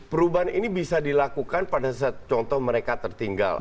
perubahan ini bisa dilakukan pada saat contoh mereka tertinggal